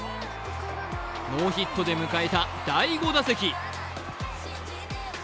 ノーヒットで迎えた第５打席。